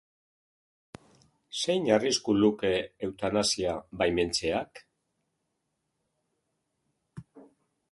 Zein arrisku luke eutanasia baimentzeak?